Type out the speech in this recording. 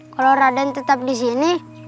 kalau raden tetap disini